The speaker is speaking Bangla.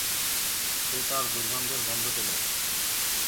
সে তার দুর্গন্ধের গন্ধ পেলো।